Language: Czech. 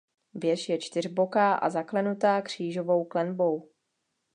Věž je čtyřboká a zaklenutá křížovou klenbou.